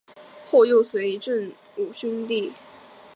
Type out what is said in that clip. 后又随振武将军傅尔丹在乌兰呼济尔击败准部军。